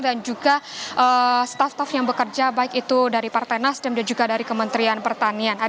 dan juga staff staff yang bekerja baik itu dari partai nasdem dan juga dari kementerian pertanian